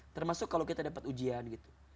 termasuk kalau kita dapat ujian gitu